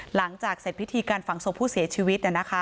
หลังจากเสร็จพิธีการฝังศพผู้เสียชีวิต